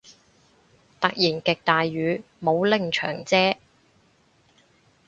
突然極大雨，冇拎長遮